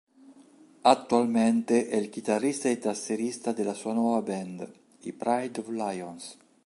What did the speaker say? Attualmente è il chitarrista e tastierista della sua nuova band, i Pride of Lions.